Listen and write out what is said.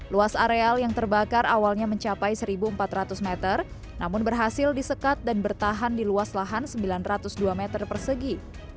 luas areal yang terbakar awalnya mencapai satu empat ratus meter namun berhasil disekat dan bertahan di luas lahan sembilan ratus dua meter persegi